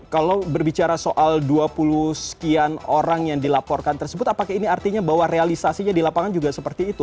kalau berbicara soal dua puluh sekian orang yang dilaporkan tersebut apakah ini artinya bahwa realisasinya di lapangan juga seperti itu